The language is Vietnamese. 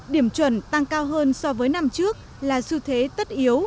điểm chuẩn tăng cao hơn so với năm trước là xu thế tất yếu